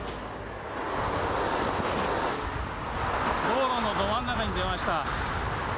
道路のど真ん中に出ました。